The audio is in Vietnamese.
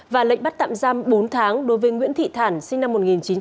và lệnh bắt tạm giam bốn tháng đối với nguyễn thị thản sinh năm một nghìn chín trăm tám mươi